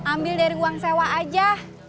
ambil dari uang sewa aja